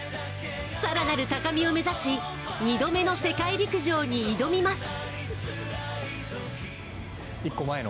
更なる高みを目指し、２度目の世界陸上に挑みます。